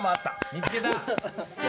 見つけた。